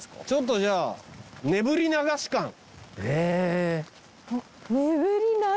ちょっとじゃあねぶり流し館。